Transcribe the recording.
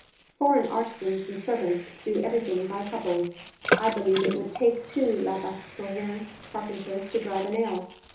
Foreign artisans and servants do everything by couples. I believe it would take two Labassecourian carpenters to drive a nail.